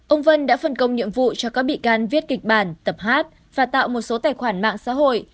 ông vân đã phân công nhiệm vụ cho các bị can viết kịch bản tập hát và tạo một số tài khoản mạng xã hội